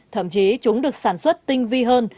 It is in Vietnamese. thậm chí chúng được sản xuất tinh vi hơn